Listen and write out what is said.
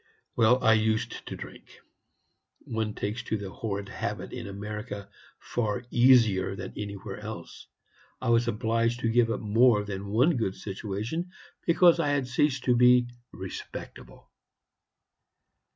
Well, I used to drink. One takes to the horrid habit in America far easier than anywhere else. I was obliged to give up more than one good situation because I had ceased to be RESPECTABLE.